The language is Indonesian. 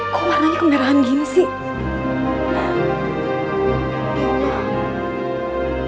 kok warnanya kemerahan gini sih